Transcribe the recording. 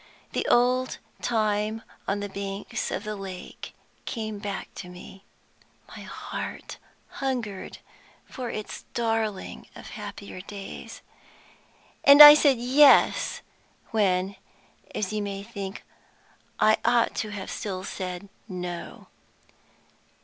The old time on the banks of the lake came back to me; my heart hungered for its darling of happier days; and I said Yes, when (as you may think) I ought to have still said No.